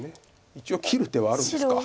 一応切る手はあるんですか。